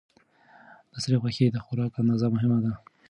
د سرې غوښې د خوراک اندازه مهمه ده.